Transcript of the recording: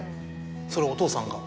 それはお父さんが？